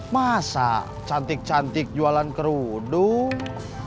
masa cantik cantik jualan kerudung